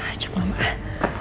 maksudku nggak bisa kerja